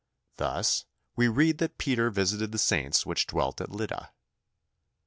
Thus we read that Peter visited the saints which dwelt at Lydda.